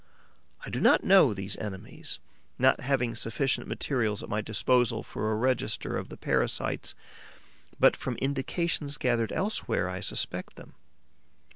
I do not know these enemies, not having sufficient materials at my disposal for a register of the parasites; but, from indications gathered elsewhere, I suspect them.